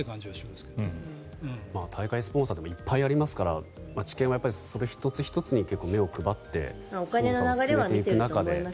でも、大会スポンサーいっぱいありますから地検はそれ１つ１つに目を配って捜査を進めていく中で。